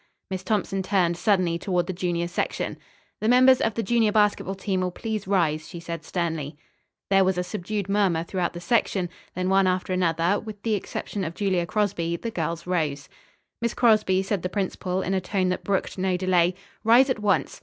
Miss Thompson turned suddenly toward the junior section. "The members of the junior basketball team will please rise," she said sternly. There was a subdued murmur throughout the section, then one after another, with the exception of Julia Crosby, the girls rose. "Miss Crosby," said the principal in a tone that brooked no delay, "rise at once!